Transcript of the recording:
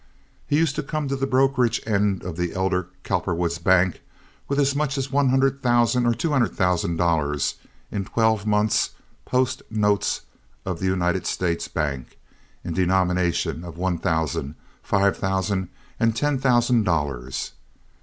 He used to come to the brokerage end of the elder Cowperwood's bank, with as much as one hundred thousand or two hundred thousand dollars, in twelve months—post notes of the United States Bank in denominations of one thousand, five thousand, and ten thousand dollars.